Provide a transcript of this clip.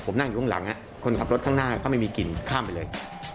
ผมนั่งอยู่ข้างหลังคนขับรถข้างหน้าก็ไม่มีกลิ่นข้ามไปเลย